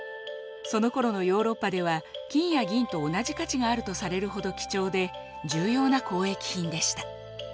そのころのヨーロッパでは金や銀と同じ価値があるとされるほど貴重で重要な交易品でした。